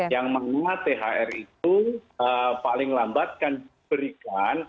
yang mengingat thr itu paling lambat kan berikutnya